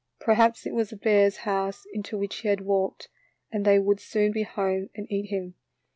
Perhaps it was a bear's house into which he had walked, and they would soon be home and eat him.